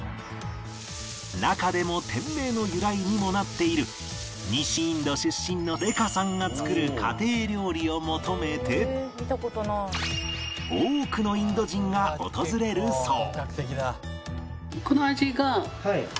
中でも店名の由来にもなっている西インド出身のレカさんが作る家庭料理を求めて多くのインド人が訪れるそう